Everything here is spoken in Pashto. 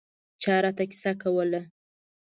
چا راته کیسه کوله.